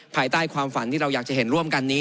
ภายใต้ความฝันที่เราอยากจะเห็นร่วมกันนี้